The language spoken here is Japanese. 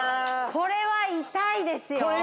これは痛いですよ。